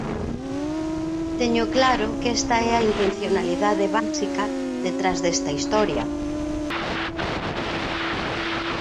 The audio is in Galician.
Teño claro que esta é a intencionalidade básica detrás desta historia.